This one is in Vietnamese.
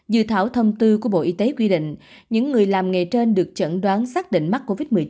dự thảo thông tư của bộ y tế quy định những người làm nghề trên được chẩn đoán xác định mắc covid một mươi chín